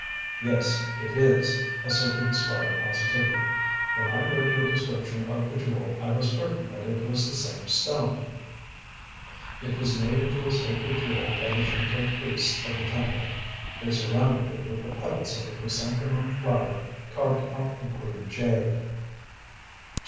"Yes, it is," asserted the Squire positively. "When I read your description of the jewel I was certain that it was the same stone. It was made into a sacred jewel by the Shinto priests of the Temple. They surrounded it with the petals of a chrysanthemum flower carved out of green jade."